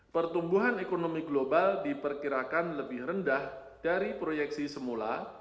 pertumbuhan ekonomi global diperkirakan lebih rendah dari proyeksi semula